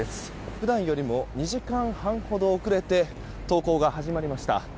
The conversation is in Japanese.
普段よりも２時間半ほど遅れて登校が始まりました。